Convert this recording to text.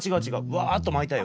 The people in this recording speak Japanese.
わっとまいたよ。